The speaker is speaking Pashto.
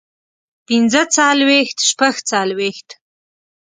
پنځۀ څلوېښت شپږ څلوېښت